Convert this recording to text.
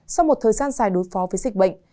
sau một thời gian dài đối phó với dịch bệnh